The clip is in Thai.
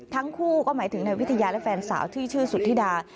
ทั้งคู่ก็หมายถึงนายวิทยาและแฟนสาวที่ชื่อสุธิดา